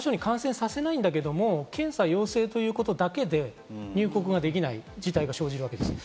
そうすると実際、他の人に感染させないんだけど検査が陽性ということだけで入国ができない事態が生じるわけです。